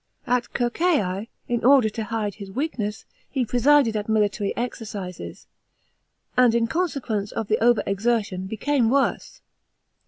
At Circeii, in order to hide his we«kness, he presided at military exercises, and in consequence of the over exertion b came worse.